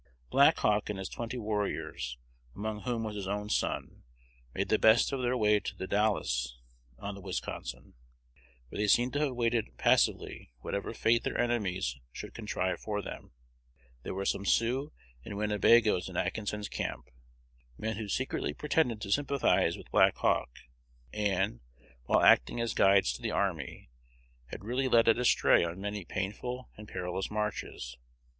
Black Hawk and his twenty warriors, among whom was his own son, made the best of their way to the Dalles on the Wisconsin, where they seem to have awaited passively whatever fate their enemies should contrive for them. There were some Sioux and Winnebagoes in Atkinson's camp, men who secretly pretended to sympathize with Black Hawk, and, while acting as guides to the army, had really led it astray on many painful and perilous marches.